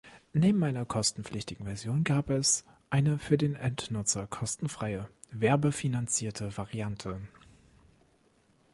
Neben einer kostenpflichtigen Version gab es eine für den Endnutzer kostenfreie, werbefinanzierte Variante.